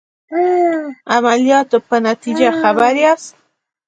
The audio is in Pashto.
عملیاتو په نتیجه خبر یاست.